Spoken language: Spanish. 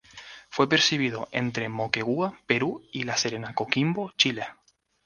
Fue percibido entre Moquegua, Perú, y La Serena-Coquimbo, Chile.